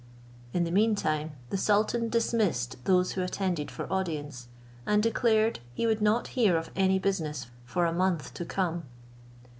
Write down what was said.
In the mean time the sultan dismissed those who attended for audience, and declared he would not hear of any business for a month to come.